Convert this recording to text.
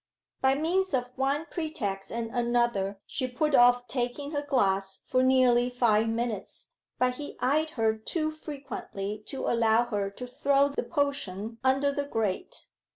By means of one pretext and another she put off taking her glass for nearly five minutes, but he eyed her too frequently to allow her to throw the potion under the grate.